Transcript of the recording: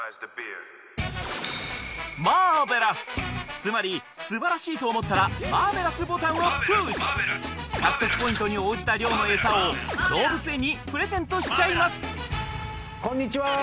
マーベラスつまり素晴らしいと思ったらマーベラスボタンをプッシュ獲得ポイントに応じた量のエサを動物園にプレゼントしちゃいます